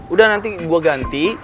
udah nanti gue ganti